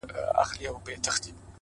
o دا سپك هنر نه دى چي څوك يې پــټ كړي،